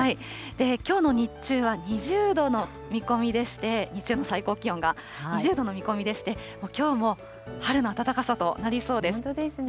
きょうの日中は２０度の見込みでして、日中の最高気温が２０度の見込みでして、もうきょうも春の暖かさ本当ですね。